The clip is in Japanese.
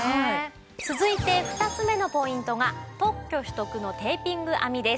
続いて２つ目のポイントが特許取得のテーピング編みです。